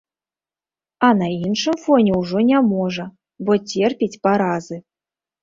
А на іншым фоне ўжо не можа, бо церпіць паразы.